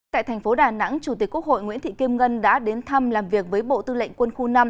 tại thành phố đà nẵng chủ tịch quốc hội nguyễn thị kim ngân đã đến thăm làm việc với bộ tư lệnh quân khu năm